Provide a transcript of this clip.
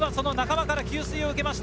仲間から給水を受けました。